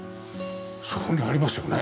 そこにありますよね